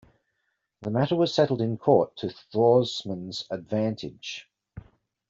The matter was settled in court to Thorsman's advantage.